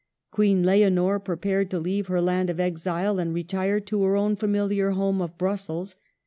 Queen Leonor prepared to leave her land of exile, and retired to her own familiar home of Brussels.